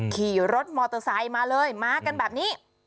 ขี่รถมอเตอร์ไซค์มาเลยมากันแบบนี้